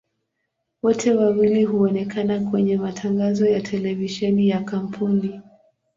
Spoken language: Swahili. Wote wawili huonekana kwenye matangazo ya televisheni ya kampuni.